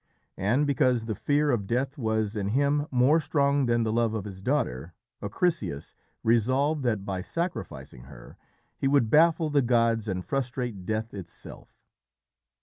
And because the fear of death was in him more strong than the love of his daughter, Acrisius resolved that by sacrificing her he would baffle the gods and frustrate Death itself.